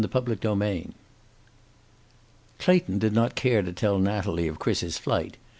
CHAPTER IX Clayton did not care to tell Natalie of Chris's flight.